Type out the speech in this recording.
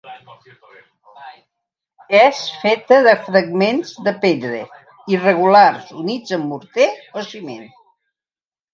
És feta de fragments de pedra irregular units amb morter o ciment.